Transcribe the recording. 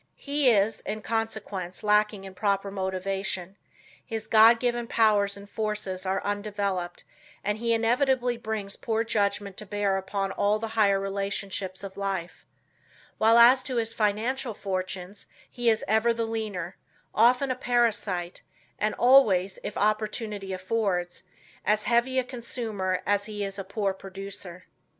He is, in consequence, lacking in proper motivation, his God given powers and forces are undeveloped and he inevitably brings poor judgment to bear upon all the higher relationships of life, while, as to his financial fortunes, he is ever the leaner; often a parasite, and always, if opportunity affords, as heavy a consumer as he is a poor producer.